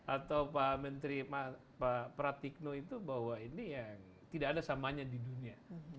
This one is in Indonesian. atau pak menteri pak pratikno itu bahwa ini yang tidak ada samanya di dunia